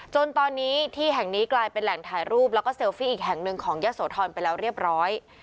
จนตอนนี้ที่แห่งนี้กลายเป็นแหล่งถ่ายรูปแล้วก็เซลฟี่อีกแห่งหนึ่งของยะโสธรไปแล้วเรียบร้อย